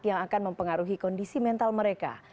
yang akan mempengaruhi kondisi mental mereka